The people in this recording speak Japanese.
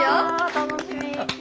楽しみ。